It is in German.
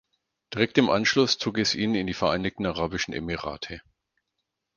Direkt im Anschluss zog es ihn in die Vereinigten Arabischen Emirate.